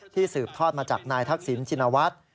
สืบทอดมาจากนายทักษิณชินวัฒน์